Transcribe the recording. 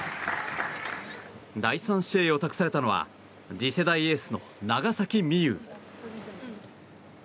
第３試合を託されたのは次世代エースの長崎美柚。